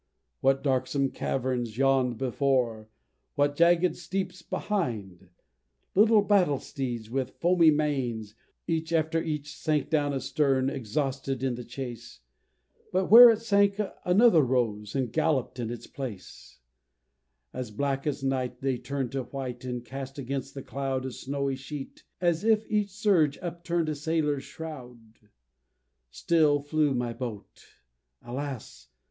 What darksome caverns yawn'd before! what jagged steeps behind! Like battle steeds, with foamy manes, wild tossing in the wind. Each after each sank down astern, exhausted in the chase, But where it sank another rose and galloped in its place; As black as night they turned to white, and cast against the cloud A snowy sheet, as if each surge upturned a sailor's shroud: Still flew my boat; alas!